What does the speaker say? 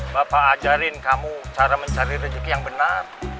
bapak ajarin kamu cara mencari rezeki yang benar